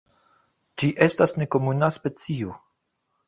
Ĝi estas nekomuna specio.